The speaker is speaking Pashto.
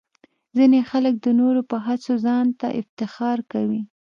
ځینې خلک د نورو په هڅو ځان ته افتخار کوي.